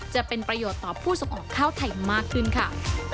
จะเป็นประโยชน์ต่อผู้ส่งออกข้าวไทยมากขึ้นค่ะ